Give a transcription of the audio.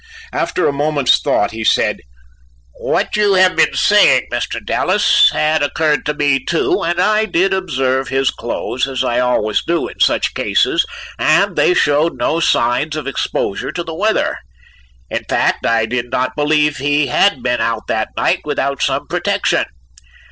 After a moment's thought, he said: "What you have been saying, Mr. Dallas, had occurred to me too and I did observe his clothes as I always do in such cases, and they showed no signs of exposure to the weather. In fact, I did not believe he had been out that night without some protection.